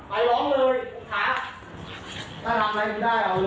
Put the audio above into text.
ไปน้องเลยถ้าทำไม่ได้เอาเลย